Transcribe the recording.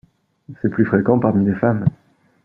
C'est plus fréquent parmi les femmes.